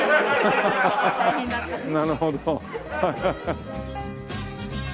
なるほど。